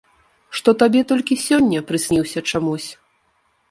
Што табе толькі сёння прысніўся чамусь.